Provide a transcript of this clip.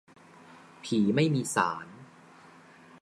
ผีไม่มีศาล